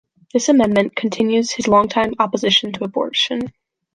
This amendment continues his longtime opposition to abortion.